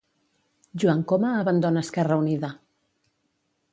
Joan Coma abandona Esquerra Unida